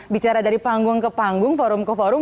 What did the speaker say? bicara dari panggung ke panggung forum ke forum